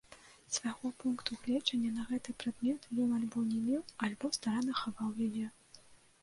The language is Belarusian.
Свайго пункту гледжання на гэты прадмет ён альбо не меў, альбо старанна хаваў яе.